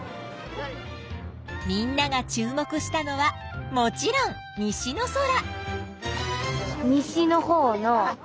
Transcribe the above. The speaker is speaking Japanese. みんなが注目したのはもちろん西の空。